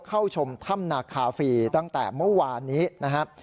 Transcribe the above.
เข้าชมถ้ำนาคาฟรีตั้งแต่เมื่อวานนี้นะครับ